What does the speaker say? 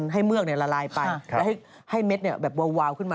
เมือกละลายไปแล้วให้เม็ดแบบวาวขึ้นมา